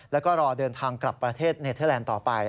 แล้วก็รอเดินทางกลับประเทศเนเทอร์แลนด์ต่อไป